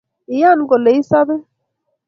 Iyan kole isobe